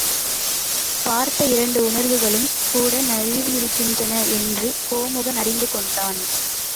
பார்த்த இரண்டு உணர்வுகளும் கூட நழுவியிருக்கின்றன என்று கோமுகன் அறிந்து கொண்டான்.